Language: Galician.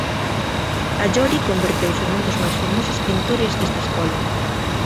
Allori converteuse nun dos máis famosos pintores desta escola.